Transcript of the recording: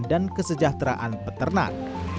dan kesejahteraan peternak